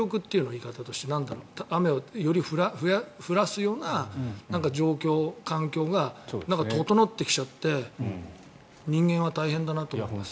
言い方としては雨をより降らすような状況、環境が整ってきちゃって人間は大変だなと思います。